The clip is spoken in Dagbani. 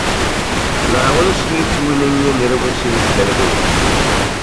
Naawuni Shia tuuni n-nyɛ nirib' shihi tiligibu.